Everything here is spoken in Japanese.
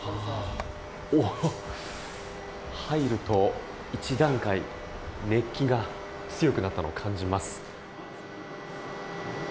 入ると、一段階熱気が強くなったのを感じます。